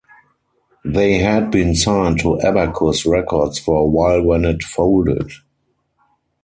They had been signed to Abacus Records for a while when it folded.